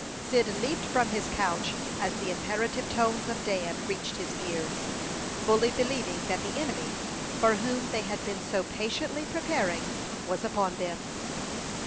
Cyd leaped from his couch as the imperative tones of Dan reached his ears, fully believing that the enemy, for whom they had been so patiently preparing, was upon them.